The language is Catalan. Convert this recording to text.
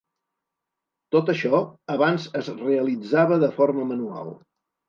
Tot això, abans es realitzava de forma manual.